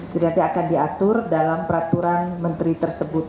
jadi nanti akan diatur dalam peraturan menteri tersebut